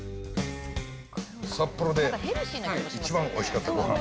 札幌で一番おいしかったごはん。